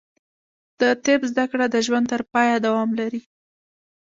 د طب زده کړه د ژوند تر پایه دوام لري.